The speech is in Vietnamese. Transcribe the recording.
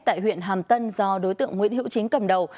tại huyện hàm tân do đối tượng nguyễn hữu chính cầm đầu